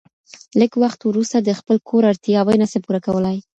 لږ وخت وروسته د خپل کور اړتياوي نسي پوره کولای